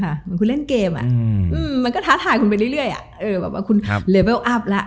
เหมือนคุณเล่นเกมมันก็ท้าทายคุณไปเรื่อยแบบว่าคุณเลเวลอัพแล้ว